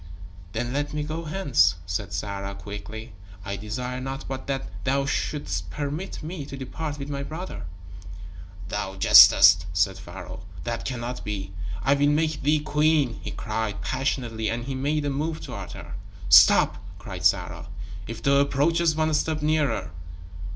"Then let me go hence," said Sarah, quickly. "I desire naught but that thou shouldst permit me to depart with my brother." "Thou jestest," said Pharaoh. "That cannot be. I will make thee queen," he cried, passionately and he made a move toward her. "Stop!" cried Sarah. "If thou approachest one step nearer...."